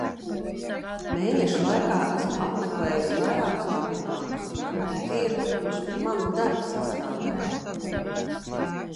Mēneša laikā esmu apmeklējusi vairākus vebinārus un tie ir kļuvuši par mana darba sastāvdaļu.